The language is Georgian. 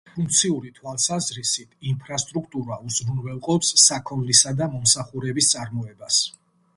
ფუნქციური თვალსაზრისით, ინფრასტრუქტურა უზრუნველყოფს საქონლისა და მომსახურების წარმოებას.